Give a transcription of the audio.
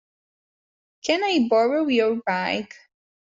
Can I borrow your bike?